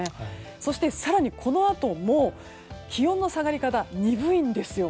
そして、更にこのあとも気温の下がり方が鈍いんですよ。